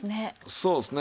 そうですね。